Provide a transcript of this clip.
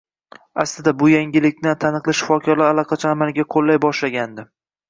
Aslida bu yangilikni taniqli shifokorlar allaqachon amalda qo‘llay boshlashgandi